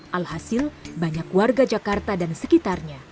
alhasil banyak warga jakarta dan sekitarnya